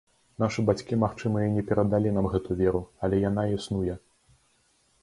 Нашы бацькі, магчыма, і не перадалі нам гэту веру, але яна існуе.